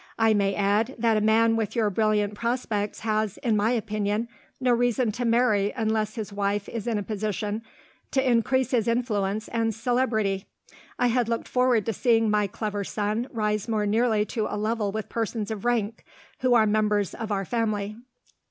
I may add that a man with your brilliant prospects has, in my opinion, no reason to marry unless his wife is in a position to increase his influence and celebrity. I had looked forward to seeing my clever son rise more nearly to a level with persons of rank, who are members of our family.